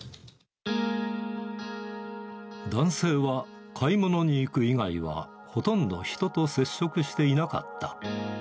男性は、買い物に行く以外は、ほとんど人と接触していなかった。